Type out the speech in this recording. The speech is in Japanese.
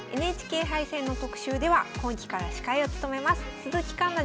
ＮＨＫ杯戦の特集では今期から司会を務めます鈴木環那